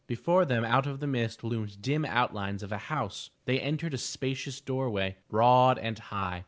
Before them out of the mist loomed dim outlines of a house. They entered a spacious door way, broad and high.